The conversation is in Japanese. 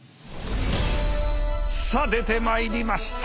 さあ出てまいりました。